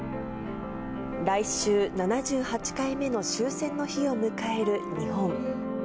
来週、７８回目の終戦の日を迎える日本。